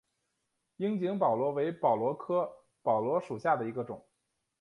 樱井宝螺为宝螺科宝螺属下的一个种。